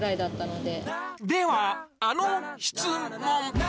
では、あの質問。